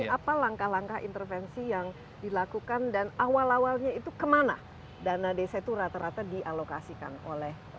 apa langkah langkah intervensi yang dilakukan dan awal awalnya itu kemana dana desa itu rata rata dialokasikan oleh